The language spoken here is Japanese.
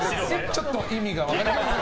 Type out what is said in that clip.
ちょっと意味が分かりません。